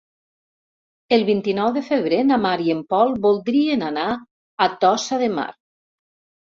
El vint-i-nou de febrer na Mar i en Pol voldrien anar a Tossa de Mar.